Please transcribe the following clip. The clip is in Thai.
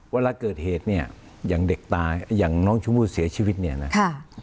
เวลาเกิดเหตุเนี่ยอย่างเด็กตายอย่างน้องชมพู่เสียชีวิตเนี่ยนะ